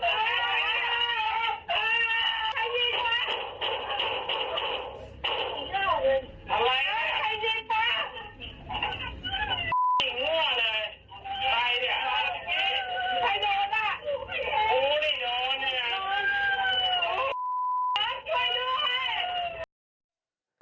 ใครโดนอะ